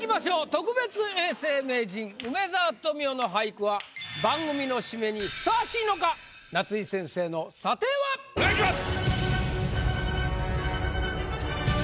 特別永世名人梅沢富美男の俳句は番組の締めにふさわしいのか⁉夏井先生の査定は⁉お願いします！